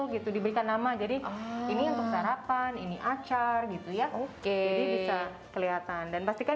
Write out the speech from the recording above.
gitu diberikan nama jadi ini untuk sarapan ini acar gitu ya oke bisa kelihatan dan pastikan